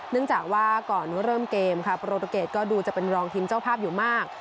เนื่องจากว่าก่อนเริ่มเกมค่ะโปรตูเกตก็ดูจะเป็นรองทีมเจ้าภาพอยู่มาก